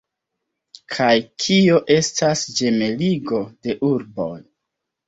Kaj kio estas ĝemeligo de urboj?